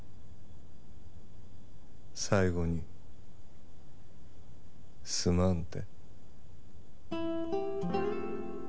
最後に「すまん」って。